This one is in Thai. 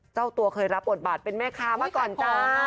เจ้าตัวเคยรับบทบาทเป็นแม่ค้ามาก่อนจ้า